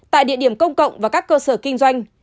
tại địa điểm công cộng và các cơ sở kinh doanh